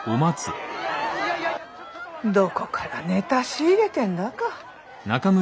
どこからネタ仕入れてんだか。